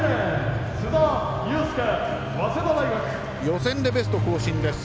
予選でベスト更新です。